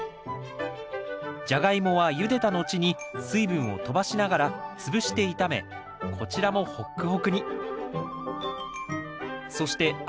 ジャガイモはゆでたのちに水分をとばしながら潰して炒めこちらもホックホクに。